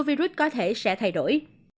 hành vi của virus có thể sẽ thay đổi